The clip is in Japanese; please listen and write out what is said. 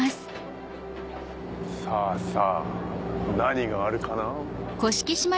さぁさぁ何があるかな？